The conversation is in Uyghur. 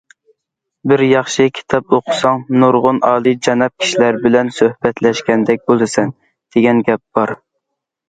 ‹‹ بىر ياخشى كىتاب ئوقۇساڭ، نۇرغۇن ئالىيجاناب كىشىلەر بىلەن سۆھبەتلەشكەندەك بولىسەن›› دېگەن گەپ بار.